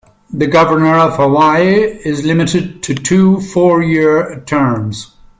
The Governor of Hawaii is limited to two four-year terms.